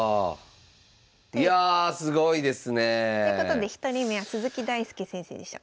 いやすごいですね。ということで１人目は鈴木大介先生でした。